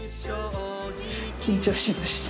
緊張しました。